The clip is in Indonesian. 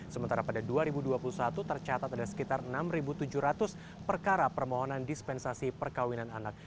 sementara pada dua ribu dua puluh satu tercatat ada sekitar enam tujuh ratus perkara permohonan dispensasi perkawinan anak